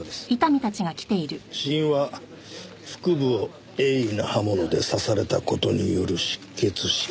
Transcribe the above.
死因は腹部を鋭利な刃物で刺された事による失血死。